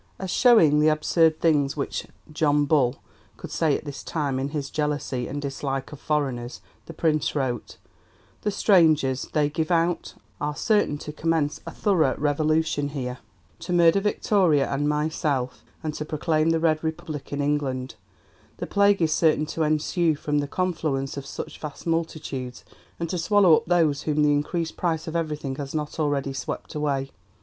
As showing the absurd things which 'John Bull' could say at this time in his jealousy and dislike of foreigners the Prince wrote: "The strangers, they give out, are certain to commence a thorough revolution here, to murder Victoria and myself, and to proclaim the Red Republic in England; the Plague is certain to ensue from the confluence of such vast multitudes, and to swallow up those whom the increased price of everything has not already swept away.